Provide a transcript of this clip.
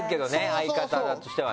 相方としてはね。